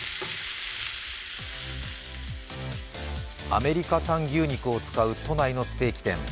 アメリカ産牛肉を使う都内のステーキ店。